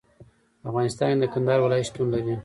په افغانستان کې د کندهار ولایت شتون لري.